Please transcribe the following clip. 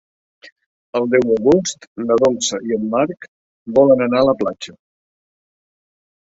El deu d'agost na Dolça i en Marc volen anar a la platja.